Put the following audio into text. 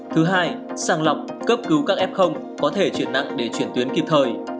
thứ hai sàng lọc cấp cứu các f có thể chuyển nặng để chuyển tuyến kịp thời